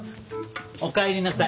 おかえりなさい。